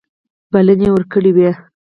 بلنې ورکړي وې.